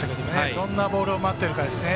どんなボールを待ってるかですね。